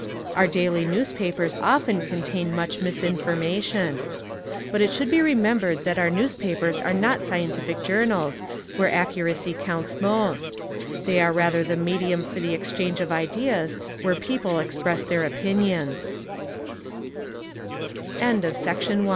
Our daily newspapers often contain much misinformation. But it should be remembered that our newspapers are not scientific journals where accuracy counts most ; they are rather the medium for the exchange of ideas where people